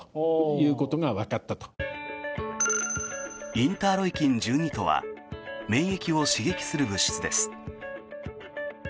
インターロイキン１２とは免疫を刺激する物質です。